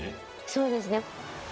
そうですね。